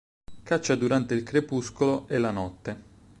Caccia durante il crepuscolo e la notte.